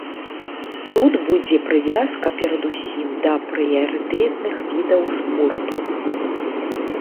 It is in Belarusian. Тут будзе прывязка перадусім да прыярытэтных відаў спорту.